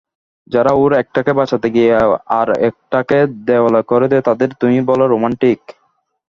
যারা ওর একটাকে বাঁচাতে গিয়ে আর-একটাকে দেউলে করে দেয় তাদেরই তুমি বল রোম্যান্টিক!